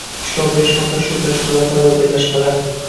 ishlov berish faqat shu tashkilotlar va birlashmalar